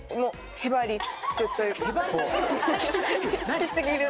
引きちぎる。